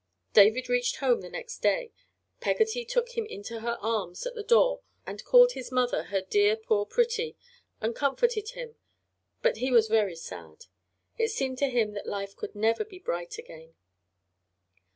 David reached home the next day. Peggotty took him into her arms at the door and called his mother her "dear, poor pretty," and comforted him, but he was very sad. It seemed to him that life could never be bright again.